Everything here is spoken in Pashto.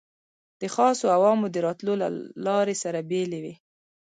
د خاصو او عامو د راتلو لارې سره بېلې وې.